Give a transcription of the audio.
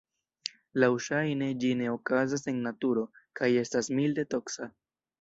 Laŭŝajne ĝi ne okazas en naturo kaj estas milde toksa.